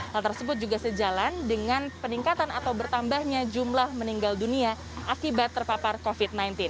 hal tersebut juga sejalan dengan peningkatan atau bertambahnya jumlah meninggal dunia akibat terpapar covid sembilan belas